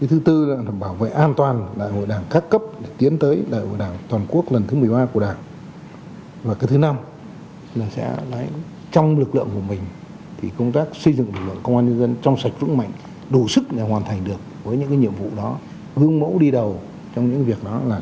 hãy đăng ký kênh để ủng hộ kênh của mình nhé